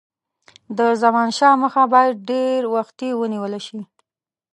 د زمانشاه مخه باید ډېر وختي ونیوله شي.